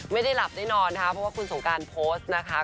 ไม่ได้หลับได้นอนนะคะเพราะว่าคุณสงการโพสต์นะคะ